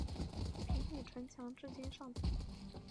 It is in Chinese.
平鲁城墙至今尚存。